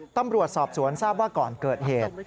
ตำรวจสอบสวนทราบว่าก่อนเกิดเหตุ